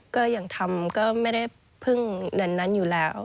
ก็อย่างทำก็ไม่ได้พึ่งเดือนนั้นอยู่แล้ว